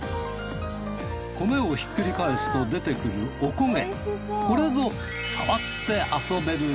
米をひっくり返すと出てくるおこげ。